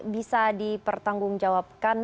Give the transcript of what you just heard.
bisa dipertanggung jawabkan